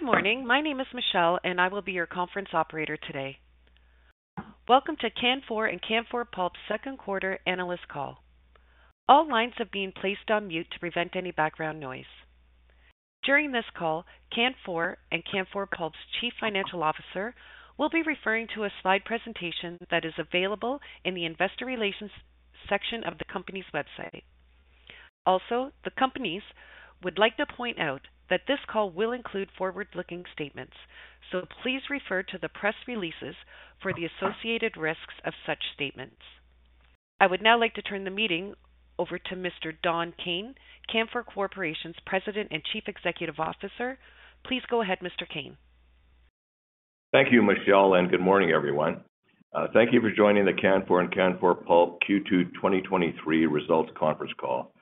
Good morning. My name is Michelle, I will be your conference operator today. Welcome to Canfor and Canfor Pulp's Second Quarter analyst call. All lines have been placed on mute to prevent any background noise. During this call, Canfor and Canfor Pulp's Chief Financial Officer will be referring to a slide presentation that is available in the Investor Relations section of the company's website. The companies would like to point out that this call will include forward-looking statements, please refer to the press releases for the associated risks of such statements. I would now like to turn the meeting over to Mr. Don Kayne, Canfor Corporation's President and Chief Executive Officer. Please go ahead, Mr. Kayne. Thank you, Michelle. Good morning, everyone. Thank you for joining the Canfor and Canfor Pulp Q2 2023 Results conference call.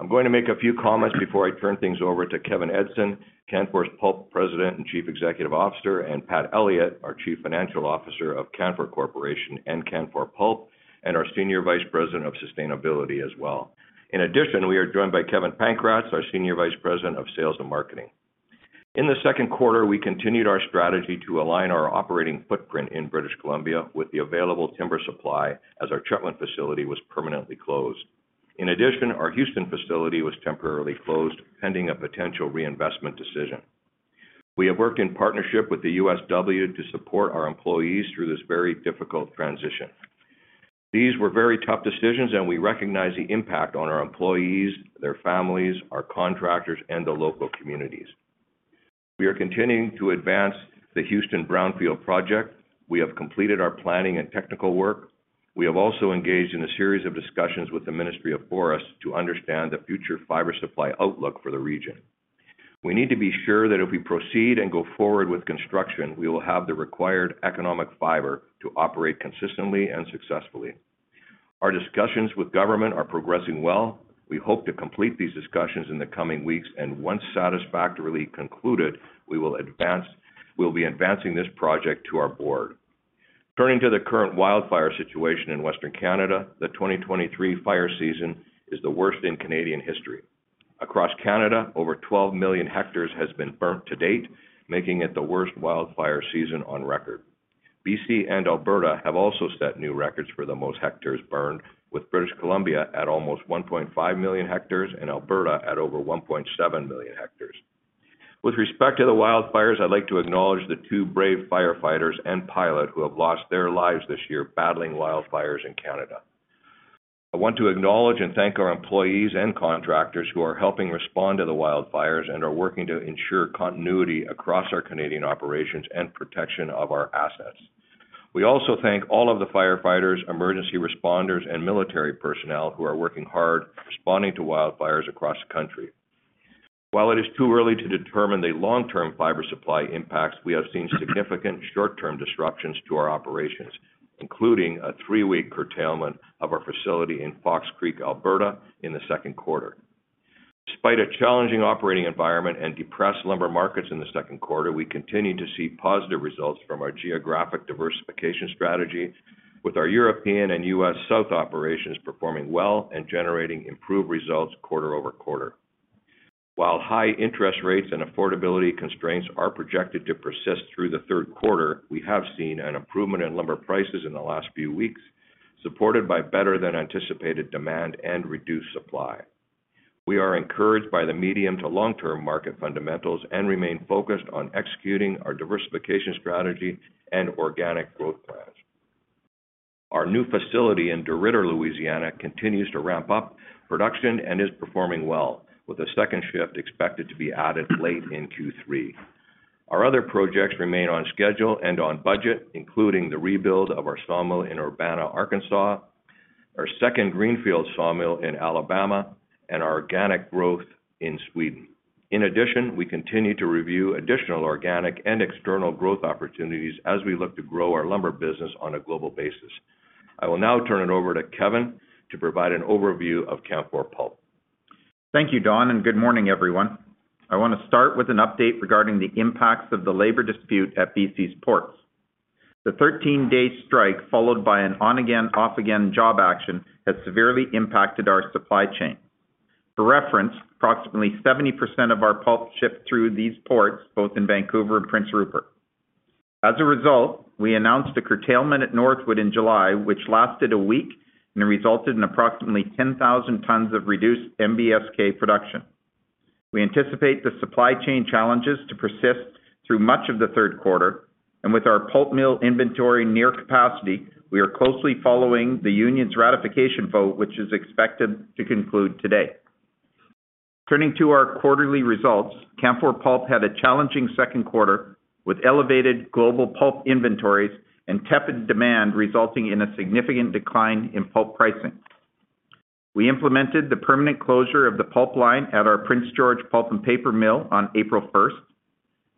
I'm going to make a few comments before I turn things over to Kevin Edgson, Canfor Pulp President and Chief Executive Officer, and Pat Elliott, our Chief Financial Officer of Canfor Corporation and Canfor Pulp, and our Senior Vice President of Sustainability as well. In addition, we are joined by Kevin Pankratz, our Senior Vice President of Sales and Marketing. In the second quarter, we continued our strategy to align our operating footprint in British Columbia with the available timber supply as our Taylor facility was permanently closed. In addition, our Houston facility was temporarily closed, pending a potential reinvestment decision. We have worked in partnership with the USW to support our employees through this very difficult transition. These were very tough decisions. We recognize the impact on our employees, their families, our contractors, and the local communities. We are continuing to advance the Houston Brownfield project. We have completed our planning and technical work. We have also engaged in a series of discussions with the Ministry of Forests to understand the future fiber supply outlook for the region. We need to be sure that if we proceed and go forward with construction, we will have the required economic fiber to operate consistently and successfully. Our discussions with government are progressing well. We hope to complete these discussions in the coming weeks, and once satisfactorily concluded, we'll be advancing this project to our board. Turning to the current wildfire situation in Western Canada, the 2023 fire season is the worst in Canadian history. Across Canada, over 12 million hectares has been burnt to date, making it the worst wildfire season on record. BC and Alberta have also set new records for the most hectares burned, with British Columbia at almost 1.5 million hectares and Alberta at over 1.7 million hectares. With respect to the wildfires, I'd like to acknowledge the two brave firefighters and pilot who have lost their lives this year battling wildfires in Canada. I want to acknowledge and thank our employees and contractors who are helping respond to the wildfires and are working to ensure continuity across our Canadian operations and protection of our assets. We also thank all of the firefighters, emergency responders, and military personnel who are working hard responding to wildfires across the country. While it is too early to determine the long-term fiber supply impacts, we have seen significant short-term disruptions to our operations, including a three-week curtailment of our facility in Fox Creek, Alberta, in the second quarter. Despite a challenging operating environment and depressed lumber markets in the second quarter, we continued to see positive results from our geographic diversification strategy, with our European and U.S. South operations performing well and generating improved results quarter-over-quarter. While high interest rates and affordability constraints are projected to persist through the third quarter, we have seen an improvement in lumber prices in the last few weeks, supported by better-than-anticipated demand and reduced supply. We are encouraged by the medium to long-term market fundamentals and remain focused on executing our diversification strategy and organic growth plans. Our new facility in DeRidder, Louisiana, continues to ramp up production and is performing well, with a second shift expected to be added late in Q3. Our other projects remain on schedule and on budget, including the rebuild of our sawmill in Urbana, Arkansas, our second Greenfield sawmill in Alabama, and our organic growth in Sweden. In addition, we continue to review additional organic and external growth opportunities as we look to grow our lumber business on a global basis. I will now turn it over to Kevin to provide an overview of Canfor Pulp. Thank you, Don, and good morning, everyone. I want to start with an update regarding the impacts of the labor dispute at BC's ports. The 13-day strike, followed by an on-again, off-again job action, has severely impacted our supply chain. For reference, approximately 70% of our pulp shipped through these ports, both in Vancouver and Prince Rupert. As a result, we announced a curtailment at Northwood in July, which lasted a week and resulted in approximately 10,000 tons of reduced NBSK production. We anticipate the supply chain challenges to persist through much of the third quarter, and with our pulp mill inventory near capacity, we are closely following the union's ratification vote, which is expected to conclude today. Turning to our quarterly results, Canfor Pulp had a challenging second quarter, with elevated global pulp inventories and tepid demand resulting in a significant decline in pulp pricing. We implemented the permanent closure of the pulp line at our Prince George Pulp and Paper mill on April first.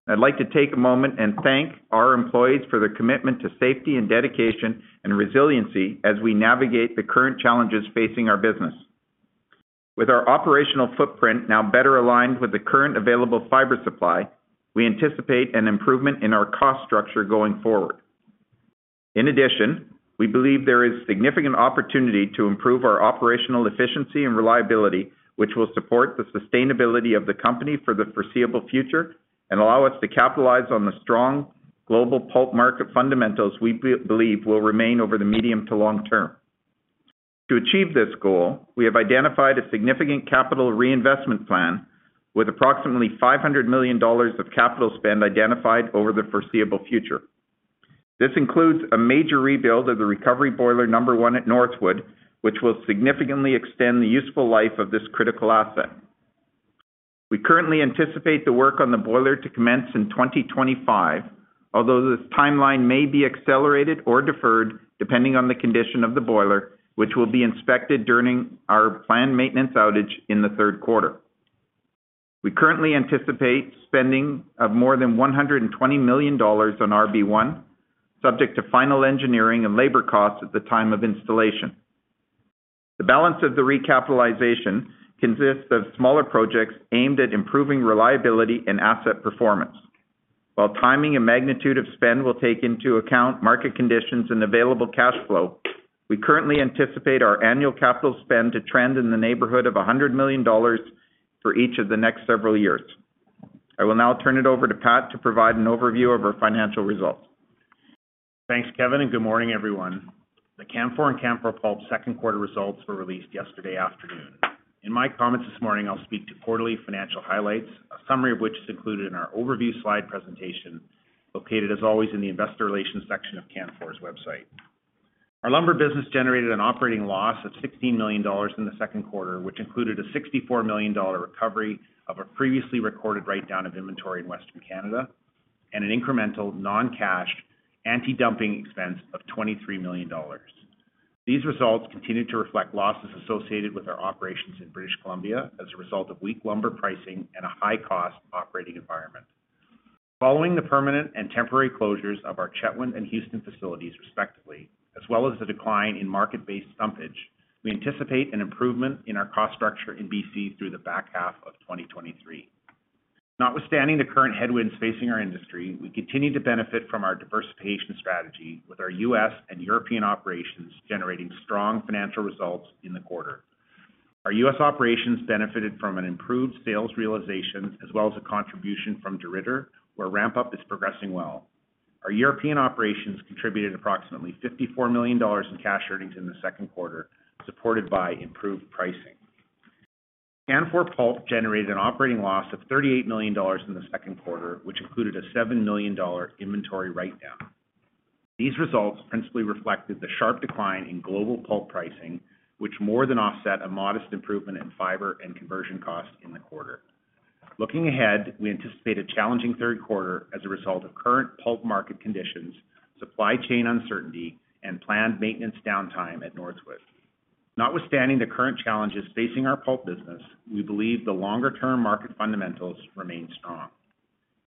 I'd like to take a moment and thank our employees for their commitment to safety and dedication and resiliency as we navigate the current challenges facing our business. With our operational footprint now better aligned with the current available fiber supply, we anticipate an improvement in our cost structure going forward. In addition, we believe there is significant opportunity to improve our operational efficiency and reliability, which will support the sustainability of the company for the foreseeable future and allow us to capitalize on the strong global pulp market fundamentals we believe will remain over the medium to long term. To achieve this goal, we have identified a significant capital reinvestment plan with approximately 500 million dollars of capital spend identified over the foreseeable future. This includes a major rebuild of the recovery boiler number one at Northwood, which will significantly extend the useful life of this critical asset. We currently anticipate the work on the boiler to commence in 2025, although this timeline may be accelerated or deferred, depending on the condition of the boiler, which will be inspected during our planned maintenance outage in the third quarter. We currently anticipate spending of more than $120 million on RB1, subject to final engineering and labor costs at the time of installation. The balance of the recapitalization consists of smaller projects aimed at improving reliability and asset performance. While timing and magnitude of spend will take into account market conditions and available cash flow, we currently anticipate our annual capital spend to trend in the neighborhood of $100 million for each of the next several years. I will now turn it over to Pat to provide an overview of our financial results. Thanks, Kevin, good morning, everyone. The Canfor and Canfor Pulp second quarter results were released yesterday afternoon. In my comments this morning, I'll speak to quarterly financial highlights, a summary of which is included in our overview slide presentation, located, as always, in the investor relations section of Canfor's website. Our lumber business generated an operating loss of 16 million dollars in the second quarter, which included a 64 million dollar recovery of a previously recorded write-down of inventory in Western Canada, and an incremental non-cash antidumping expense of 23 million dollars. These results continue to reflect losses associated with our operations in British Columbia as a result of weak lumber pricing and a high-cost operating environment. Following the permanent and temporary closures of our Chetwynd and Houston Facilities, respectively, as well as the decline in market-based stumpage, we anticipate an improvement in our cost structure in BC through the back half of 2023. Notwithstanding the current headwinds facing our industry, we continue to benefit from our diversification strategy with our U.S. and European operations, generating strong financial results in the quarter. Our U.S. operations benefited from an improved sales realization, as well as a contribution from DeRidder, where ramp-up is progressing well. Our European operations contributed approximately $54 million in cash earnings in the second quarter, supported by improved pricing. Canfor Pulp generated an operating loss of $38 million in the second quarter, which included a $7 million inventory writedown. These results principally reflected the sharp decline in global pulp pricing, which more than offset a modest improvement in fiber and conversion costs in the quarter. Looking ahead, we anticipate a challenging third quarter as a result of current pulp market conditions, supply chain uncertainty, and planned maintenance downtime at Northwood. Notwithstanding the current challenges facing our pulp business, we believe the longer-term market fundamentals remain strong.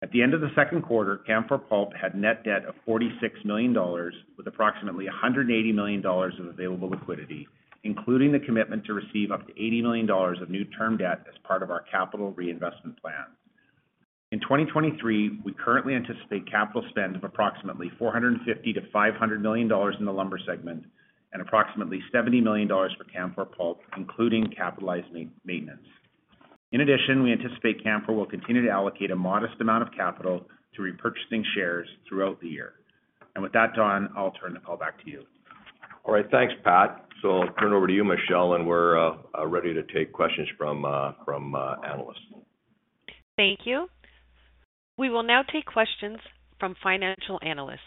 At the end of the second quarter, Canfor Pulp had net debt of 46 million dollars, with approximately 180 million dollars of available liquidity, including the commitment to receive up to 80 million dollars of new term debt as part of our capital reinvestment plan. In 2023, we currently anticipate capital spend of approximately 450 million-500 million dollars in the lumber segment and approximately 70 million dollars for Canfor Pulp, including capitalized maintenance. In addition, we anticipate Canfor will continue to allocate a modest amount of capital to repurchasing shares throughout the year. With that, Don, I'll turn the call back to you. All right, thanks, Pat. I'll turn it over to you, Michelle, and we're ready to take questions from analysts. Thank you. We will now take questions from Financial Analysts.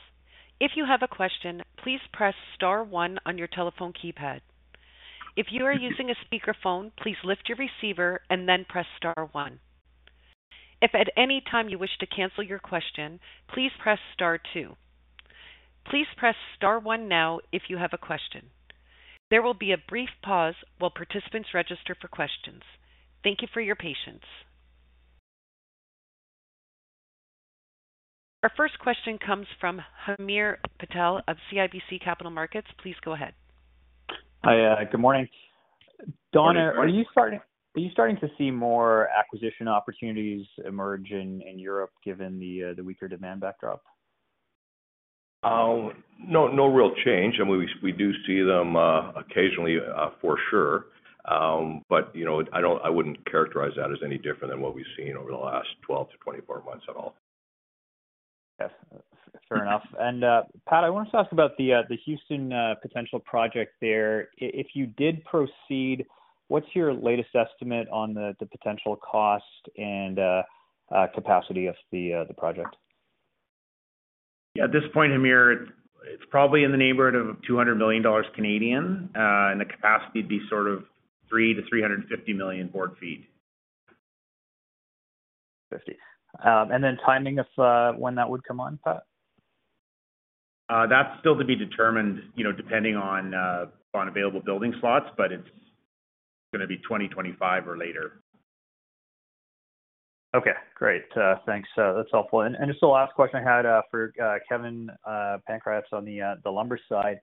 If you have a question, please press star one on your telephone keypad. If you are using a speakerphone, please lift your receiver and then press star one. If at any time you wish to cancel your question, please press star two. Please press Star one now if you have a question. There will be a brief pause while participants register for questions. Thank you for your patience. Our first question comes from Hamir Patel of CIBC Capital Markets. Please go ahead. Hi, good morning. Good morning, Amir. Don, are you starting to see more acquisition opportunities emerge in Europe, given the weaker demand backdrop? No, no real change. I mean, we, we do see them, occasionally, for sure. But, you know, I don't, I wouldn't characterize that as any different than what we've seen over the last 12 to 24 months at all. Yes, fair enough. Pat, I wanted to ask about the Houston potential project there. If you did proceed, what's your latest estimate on the potential cost and capacity of the project? At this point, Hamir, it's probably in the neighborhood of 200 million Canadian dollars, and the capacity would be sort of 3 million-350 million board feet. 50. And then timing of when that would come on, Pat? That's still to be determined, you know, depending on, on available building slots, but it's gonna be 2025 or later. Okay, great. Thanks. That's helpful. And just the last question I had for Kevin Pankratz, on the lumber side.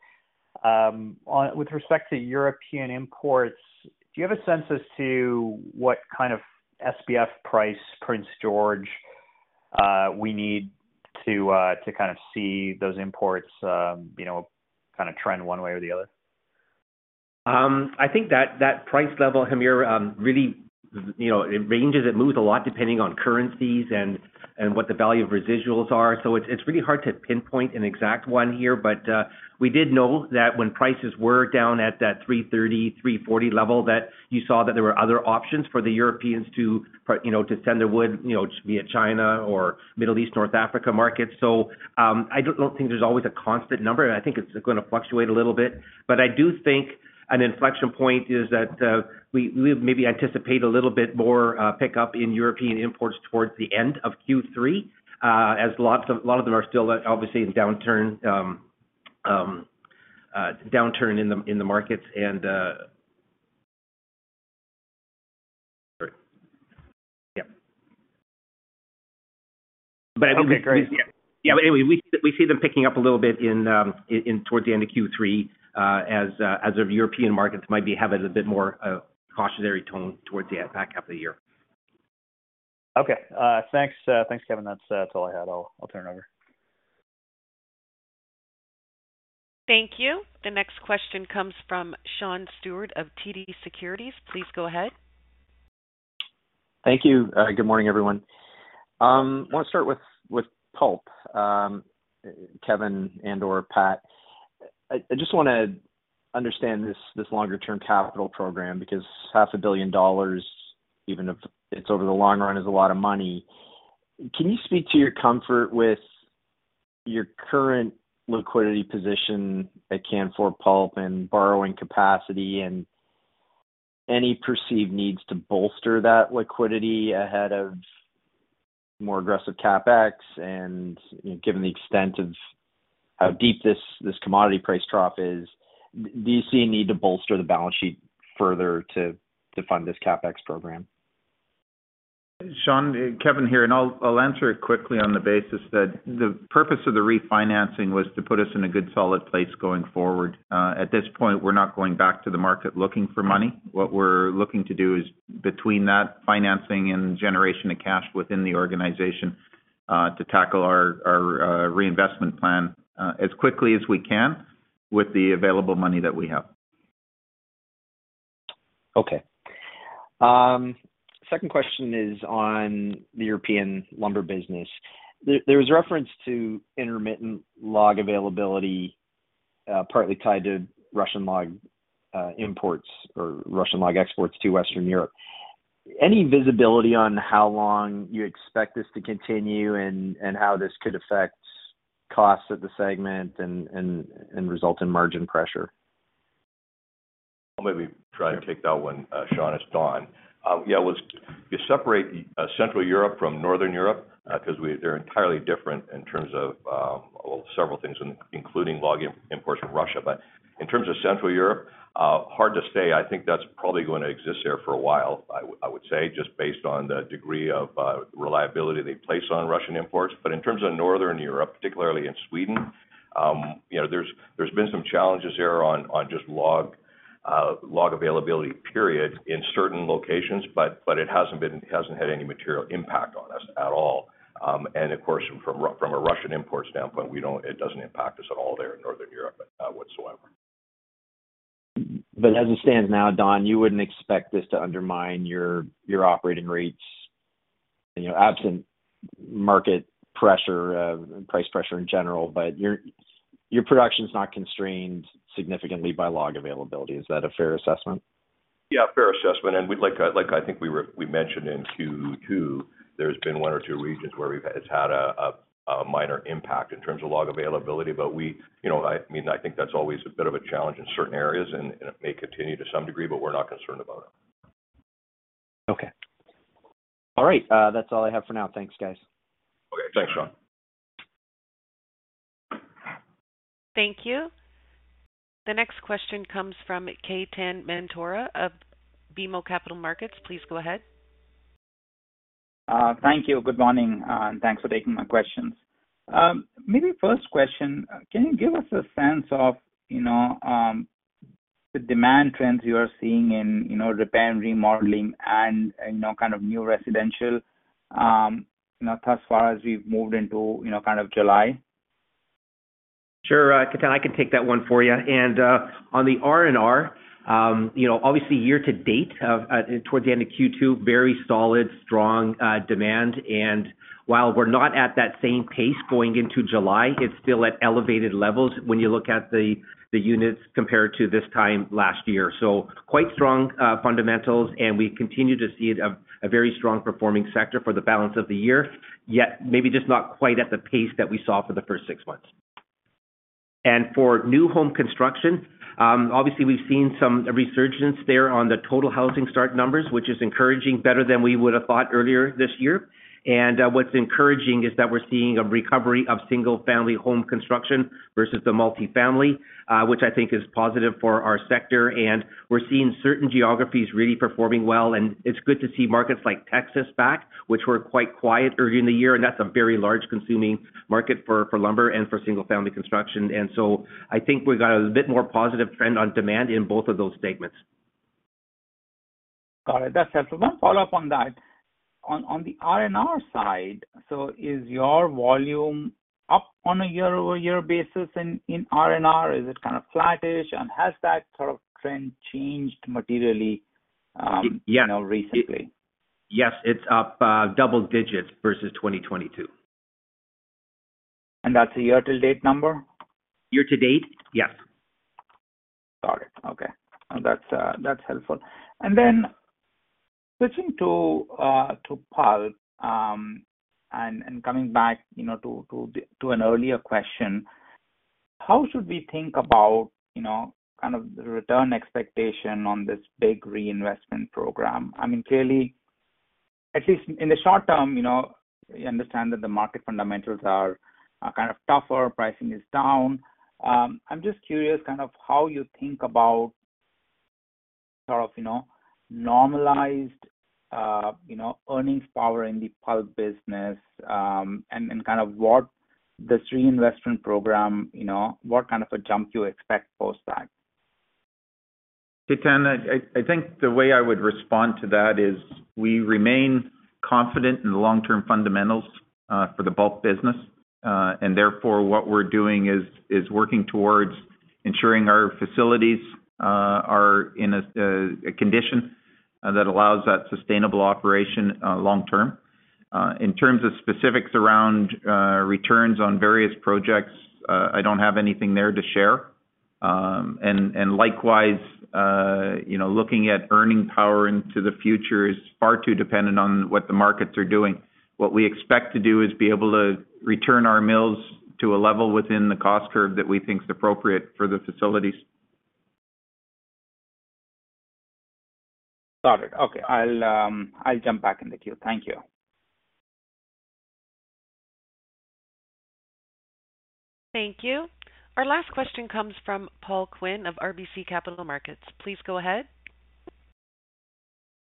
On, with respect to European imports, do you have a sense as to what kind of SPF price Prince George we need to kind of see those imports, you know, kind of trend one way or the other? I think that, that price level, Hamir, really, you know, it ranges, it moves a lot depending on currencies and, and what the value of residuals are. It's, it's really hard to pinpoint an exact one here, but we did know that when prices were down at that $330-$340 level, that you saw that there were other options for the Europeans to, you know, to send their wood, you know, to via China or Middle East, North Africa markets. I don't think there's always a constant number, and I think it's gonna fluctuate a little bit. I do think an inflection point is that, we, we maybe anticipate a little bit more, pickup in European imports towards the end of Q3, as lots of-- a lot of them are still, obviously, in downturn, downturn in the, in the markets, and, yeah. Okay, great. Yeah, anyway, we, we see them picking up a little bit in towards the end of Q3, as the European markets might be having a bit more cautionary tone towards the back half of the year. Okay. Thanks, thanks, Kevin. That's, that's all I had. I'll, I'll turn it over. Thank you. The next question comes from Sean Steuart of TD Securities. Please go ahead. Thank you. Good morning, everyone. I want to start with, with pulp. Kevin and or Pat, I, I just wanna understand this, this longer-term capital program, because 500 million dollars, even if it's over the long run, is a lot of money. Can you speak to your comfort with your current liquidity position at Canfor Pulp and borrowing capacity and any perceived needs to bolster that liquidity ahead of more aggressive CapEx? Given the extent of how deep this, this commodity price drop is, do you see a need to bolster the balance sheet further to, to fund this CapEx program? Sean, Kevin here, and I'll, I'll answer it quickly on the basis that the purpose of the refinancing was to put us in a good, solid place going forward. At this point, we're not going back to the market looking for money. What we're looking to do is between that financing and generation of cash within the organization, to tackle our, our, reinvestment plan, as quickly as we can with the available money that we have. Second question is on the European lumber business. There, there was reference to intermittent log availability, partly tied to Russian log imports or Russian log exports to Western Europe. Any visibility on how long you expect this to continue and, and how this could affect costs of the segment and, and, and result in margin pressure? I'll maybe try to take that one, Sean. It's Don. Yeah, you separate Central Europe from Northern Europe because they're entirely different in terms of, well, several things, including log imports from Russia. In terms of Central Europe, hard to say. I think that's probably going to exist there for a while, I would say, just based on the degree of reliability they place on Russian imports. In terms of Northern Europe, particularly in Sweden, you know, there's, there's been some challenges there on, on just log, log availability period in certain locations, but, but it hasn't had any material impact on us at all. Of course, from a Russian import standpoint, we don't, it doesn't impact us at all there in Northern Europe whatsoever. As it stands now, Don, you wouldn't expect this to undermine your, your operating rates, you know, absent market pressure, and price pressure in general, but your, your production is not constrained significantly by log availability. Is that a fair assessment? Yeah, fair assessment. We'd like, like I think we were, we mentioned in Q2, there's been one or two regions where we've, has had a, a, a minor impact in terms of log availability. We, you know, I mean, I think that's always a bit of a challenge in certain areas, and, and it may continue to some degree, but we're not concerned about it. Okay. All right, that's all I have for now. Thanks, guys. Okay. Thanks, Sean. Thank you. The next question comes from Ketan Mamtora of BMO Capital Markets. Please go ahead. Thank you. Good morning, and thanks for taking my questions. Maybe first question, can you give us a sense of, you know, the demand trends you are seeing in, you know, repair and remodeling and, and, you know, kind of new residential, you know, thus far as we've moved into, you know, kind of July? Sure, Ketan, I can take that one for you. On the R&R, you know, obviously year to date, towards the end of Q2, very solid, strong demand. While we're not at that same pace going into July, it's still at elevated levels when you look at the, the units compared to this time last year. Quite strong fundamentals, and we continue to see it a very strong performing sector for the balance of the year, yet maybe just not quite at the pace that we saw for the first six months. For new home construction, obviously, we've seen some resurgence there on the total housing start numbers, which is encouraging better than we would have thought earlier this year. What's encouraging is that we're seeing a recovery of single-family home construction versus the multifamily, which I think is positive for our sector. We're seeing certain geographies really performing well, and it's good to see markets like Texas back, which were quite quiet earlier in the year, and that's a very large consuming market for lumber and for single-family construction. I think we've got a bit more positive trend on demand in both of those segments. Got it. That's helpful. One follow-up on that. On, on the RNR side, so is your volume up on a year-over-year basis in, in RNR? Is it kind of flattish, and has that sort of trend changed materially, you know, recently? Yes, it's up, double digits versus 2022. That's a year-to-date number? Year-to-date? Yes. Got it. Okay. Well, that's that's helpful. Then switching to to pulp, and coming back, you know, to to to an earlier question, how should we think about, you know, kind of the return expectation on this big reinvestment program? I mean, clearly, at least in the short term, you know, we understand that the market fundamentals are are kind of tougher, pricing is down. I'm just curious, kind of how you think about sort of, you know, normalized, you know, earnings power in the pulp business, and and kind of what this reinvestment program, you know, what kind of a jump you expect post that? Ketan, I, I think the way I would respond to that is, we remain confident in the long-term fundamentals for the bulk business. Therefore, what we're doing is, is working towards ensuring our facilities are in a condition that allows that sustainable operation long term. In terms of specifics around returns on various projects, I don't have anything there to share. Likewise, you know, looking at earning power into the future is far too dependent on what the markets are doing. What we expect to do is be able to return our mills to a level within the cost curve that we think is appropriate for the facilities. Got it. Okay, I'll jump back in the queue. Thank you. Thank you. Our last question comes from Paul Quinn of RBC Capital Markets. Please go ahead.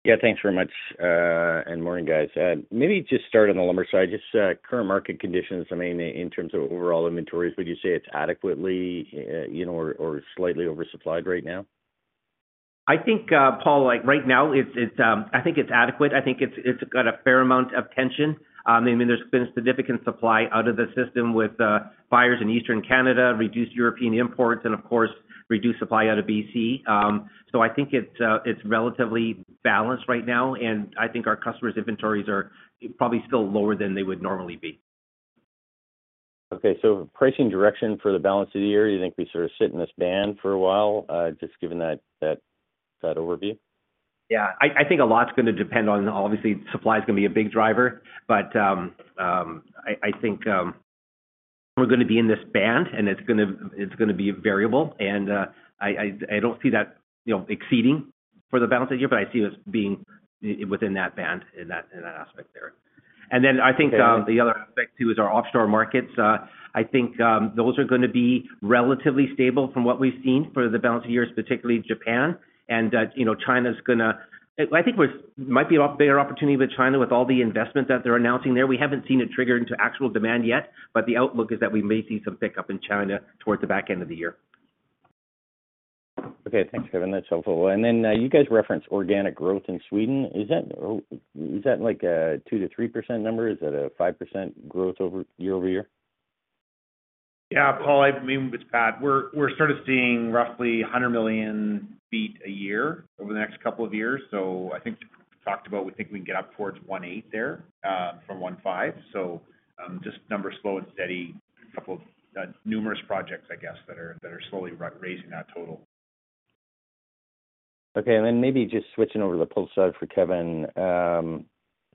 Yeah, thanks very much, and morning, guys. Maybe just start on the lumber side, just current market conditions. I mean, in terms of overall inventories, would you say it's adequately, you know, or slightly oversupplied right now? I think, Paul, like, right now, it's, it's, I think it's adequate. I think it's, it's got a fair amount of tension. I mean, there's been a significant supply out of the system with buyers in Eastern Canada, reduced European imports, and of course, reduced supply out of BC. I think it's, it's relatively balanced right now, and I think our customers' inventories are probably still lower than they would normally be. Okay, pricing direction for the balance of the year, you think we sort of sit in this band for a while, just given that, that, that overview? Yeah. I, I think a lot's gonna depend on... Obviously, supply is gonna be a big driver, but, I, I think, we're gonna be in this band, and it's gonna, it's gonna be variable, and, I, I, I don't see that, you know, exceeding for the balance of the year, but I see us being within that band, in that, in that aspect there. Then I think, the other aspect too, is our offshore markets. I think, those are gonna be relatively stable from what we've seen for the balance of years, particularly in Japan. You know, I, I think there's might be a better opportunity with China, with all the investment that they're announcing there. We haven't seen it trigger into actual demand yet, but the outlook is that we may see some pickup in China towards the back end of the year. Okay, thanks, Kevin. That's helpful. You guys referenced organic growth in Sweden. Is that, is that like a 2%-3% number? Is that a 5% growth over, year-over-year? Yeah, Paul, I, I mean, it's Pat. We're, we're sort of seeing roughly 100 million feet a year over the next couple of years. I think we talked about, we think we can get up towards 1.8 there, from 1.5. Just numbers slow and steady, a couple of, numerous projects, I guess, that are, that are slowly raising that total. Okay, then maybe just switching over to the pulp side for Kevin.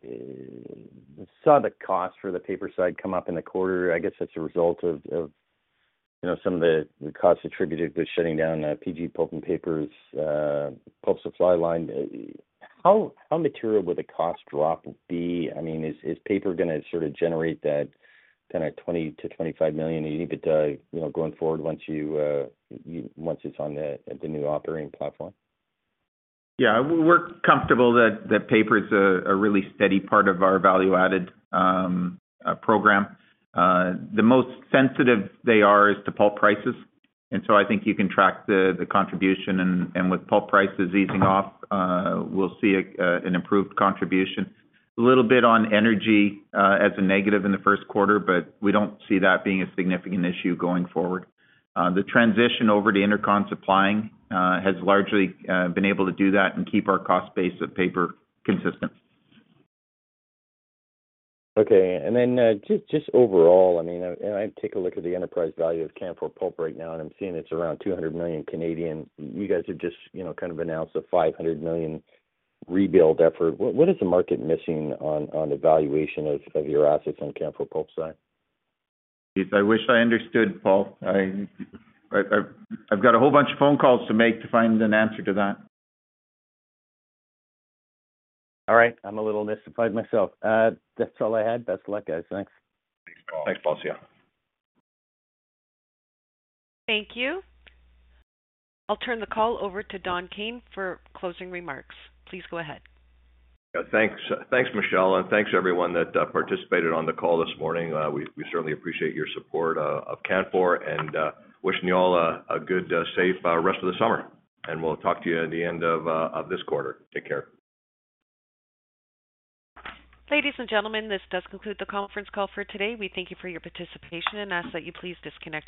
We saw the cost for the paper side come up in the quarter. I guess that's a result of, you know, some of the costs attributed to shutting down PG Pulp and Paper's pulp supply line. How material would the cost drop be? I mean, is paper gonna sort of generate that kind of 20 million-25 million EBITDA, you know, going forward once you, once it's on the new operating platform? Yeah. We're comfortable that paper is a really steady part of our value-added program. I think you can track the, the contribution, and with pulp prices easing off, we'll see an improved contribution. A little bit on energy, as a negative in the first quarter. We don't see that being a significant issue going forward. The transition over to Intercon supplying has largely been able to do that and keep our cost base of paper consistent. Okay. Then, just, just overall, I mean, I, and I take a look at the enterprise value of Canfor Pulp right now, and I'm seeing it's around 200 million. You guys have just, you know, kind of announced a 500 million rebuild effort. What, what is the market missing on, on the valuation of, of your assets on Canfor Pulp side? I wish I understood, Paul. I've, I've got a whole bunch of phone calls to make to find an answer to that. All right. I'm a little mystified myself. That's all I had. Best of luck, guys. Thanks. Thanks, Paul. Thanks, Paul. See you. Thank you. I'll turn the call over to Don Kayne for closing remarks. Please go ahead. Yeah, thanks. Thanks, Michelle, and thanks to everyone that participated on the call this morning. We certainly appreciate your support of Canfor, and wishing you all a good, safe, rest of the summer. We'll talk to you at the end of this quarter. Take care. Ladies and gentlemen, this does conclude the conference call for today. We thank you for your participation and ask that you please disconnect your.